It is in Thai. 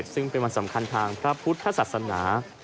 ซึ่งเป็นวันสำคัญทางพระพุทธศาสนา